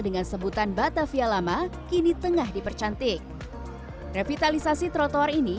dengan sebutan batavia lama kini tengah dipercantik revitalisasi trotoar ini